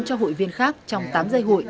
cho hụi viên khác trong tám dây hụi